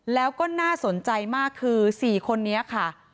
แล้วก็น่าสนใจมากคือ๔คนนี้ค่ะ